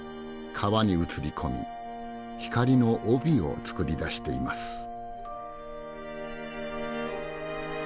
川に映り込み光の帯を作り出しています。